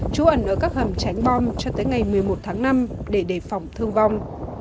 trú ẩn ở các hầm tránh bom cho tới ngày một mươi một tháng năm để đề phòng thương vong